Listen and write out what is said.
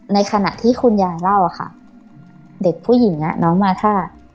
ในขณะที่คุณยายเล่าอะค่ะเด็กผู้หญิงอ่ะน้องมาท่า